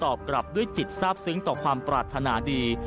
กลับด้วยจิตทราบซึ้งต่อความปรารถนาดี